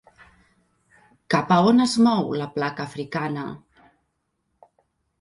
Cap a on es mou la placa africana?